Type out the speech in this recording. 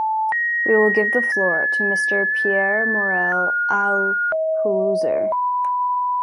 We will give the floor to Mr Pierre Morel-A-L’Huissier.